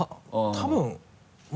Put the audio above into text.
多分？